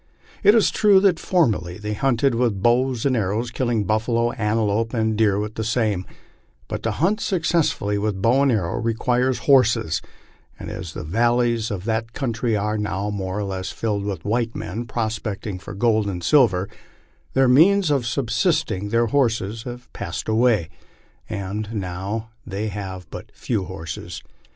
It is true that formerly they hunted with bows and arrows, killing buffalo, antelope, and deer with the same ; but to hunt successfully with bow and arrows requires horses, and as the valleys of that country are now more or less filled with white men prospecting for gold and silver, their means of subsisting their horses have passed away, and they now have but few horses.